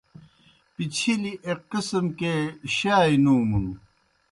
پِچِھلیْ ایْک قِسم کے شائے نُومُن۔